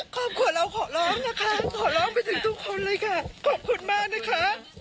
ครอบครัวเราขอร้องนะคะขอร้องไปถึงทุกคนเลยค่ะขอบคุณมากนะคะ